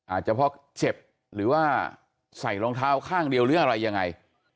อาจจะเพราะเจ็บหรือว่าใส่รองเท้าข้างเดียวหรืออะไรยังไง